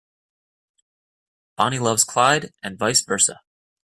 Bonnie loves Clyde and vice versa.